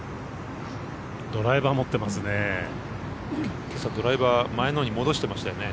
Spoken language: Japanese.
ドライバー持ってますね。